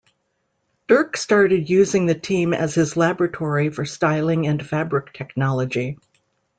Dirk started using the team as his laboratory for styling and fabric technology.